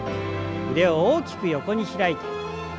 腕を大きく横に開いて。